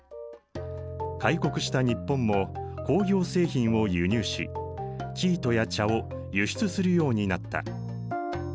開国した日本も工業製品を輸入し生糸や茶を輸出するようになった。